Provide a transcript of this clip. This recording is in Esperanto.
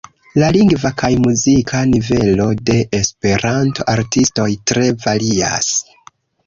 La lingva kaj muzika nivelo de Esperanto-artistoj tre varias.